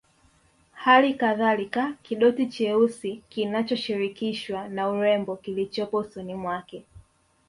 Halikadhalika kidoti cheusi kinachoshirikishwa na urembo kilichopo usoni mwake